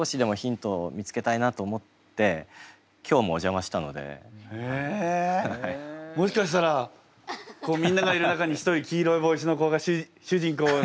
もしかしたらこうみんながいる中に一人黄色い帽子の子が主人公に。